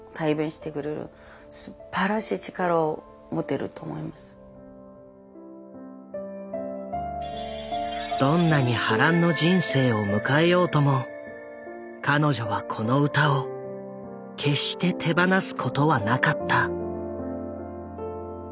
やっぱりどんなに波乱の人生を迎えようとも彼女はこの歌を決して手放すことはなかった。